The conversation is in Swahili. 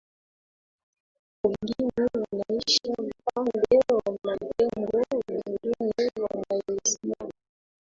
wengine wanaishia upande wa majengo wengine wanahesabu